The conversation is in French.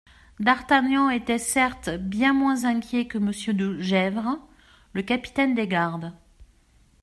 D'Artagnan était, certes, bien moins inquiet que Monsieur de Gesvres, le capitaine des gardes.